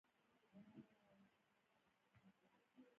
انار د افغانستان د جغرافیې یوه خورا غوره او ښه بېلګه ده.